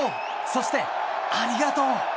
そして、ありがとう！